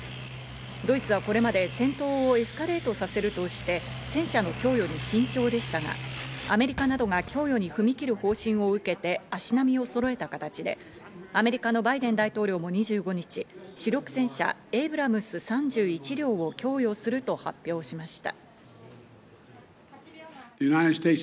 ドイツはこれまで戦闘をエスカレートさせるとして、戦車の供与に慎重でしたが、アメリカなどが供与に踏み切る方針を受けて、足並みをそろえた形で、アメリカのバイデン大統領も２５日、主力戦車エイブラムス、３１両を供与すると発表しました。